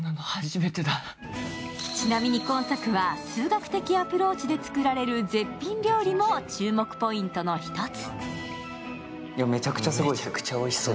ちなみに今作は数学的アプローチで作られる絶品料理も注目ポイントの１つ。